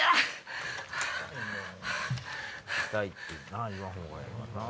痛いって言わん方がええわな。